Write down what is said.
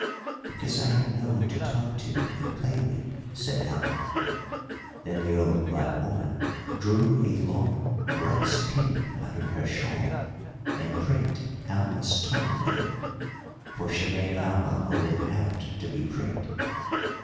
"'Because I have no one to talk to and play with,' said Alma. Then the old black woman drew a long brass pin out of her shawl and pricked Alma's tongue with it, for she made Alma hold it out to be pricked.